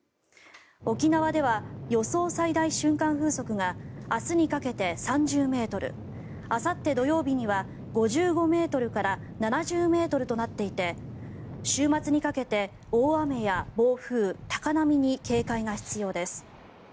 沖縄では、予想最大瞬間風速が明日にかけて３０ｍあさって土曜日には５５ｍから７０ｍとなっていて週末にかけて大雨や暴風、高波に警戒が必要です。